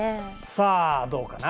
さあどうかな？